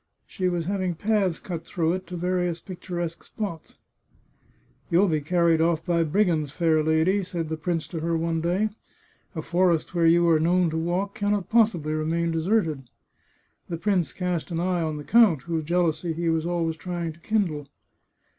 She was having paths cut through it to various picturesque spots. " You'll be carried off by brigands, fair lady," said the prince to her one day. " A forest where you are known to walk can not possibly remain deserted." The prince cast an eye on the count, whose jealousy he was always trying to kindle.